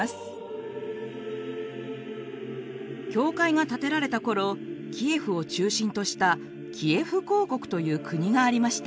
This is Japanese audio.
教会が建てられた頃キエフを中心としたキエフ公国という国がありました。